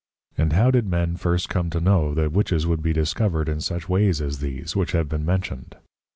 And how did men first come to know that Witches would be discovered in such ways as these, which have been mentioned?